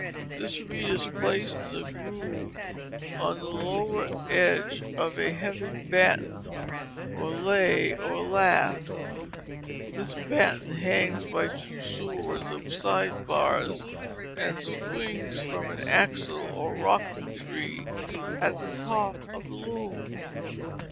This reed is placed in a groove on the lower edge of a heavy batten (or lay or lathe). This batten hangs by two swords or side bars and swings from an axle or "rocking tree" at the top of the loom.